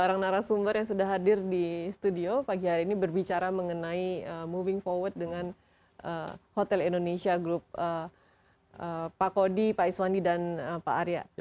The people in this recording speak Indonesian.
orang narasumber yang sudah hadir di studio pagi hari ini berbicara mengenai moving forward dengan hotel indonesia group pak kodi pak iswandi dan pak arya